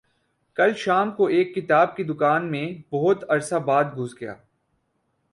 کل شام کو ایک کتاب کی دکان میں بہت عرصہ بعد گھس گیا